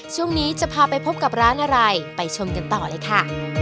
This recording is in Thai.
ช่วงนี้จะพาไปพบกับร้านอะไรไปชมกันต่อเลยค่ะ